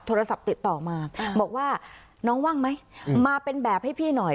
โทรศัพท์ติดต่อมาบอกว่าน้องว่างไหมมาเป็นแบบให้พี่หน่อย